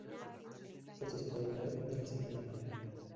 Esto se puede ver de la siguiente manera.